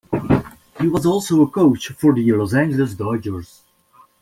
He was also a coach for the Los Angeles Dodgers.